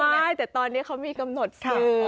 ได้แต่ตอนนี้เขามีกำหนดซื้อ